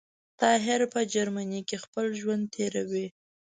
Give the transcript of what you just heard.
طاهر په جرمنی کي خپل ژوند تیروی